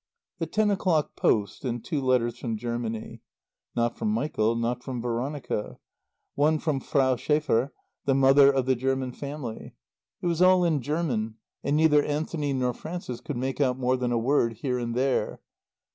The ten o'clock post, and two letters from Germany. Not from Michael, not from Veronica. One from Frau Schäfer, the mother of the German family. It was all in German, and neither Anthony nor Frances could make out more than a word here and there.